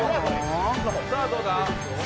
さあどうだ？